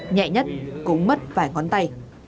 nhẹ nhất cũng mất vài ngón tay